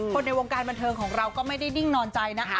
ในวงการบันเทิงของเราก็ไม่ได้ดิ้งนอนใจนะคะ